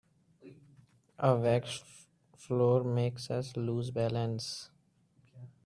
A waxed floor makes us lose balance.